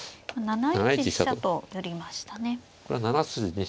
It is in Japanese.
７一飛車と寄りましたね。